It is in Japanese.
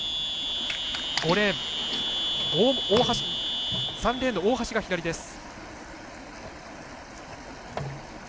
３レーンの大橋が左です。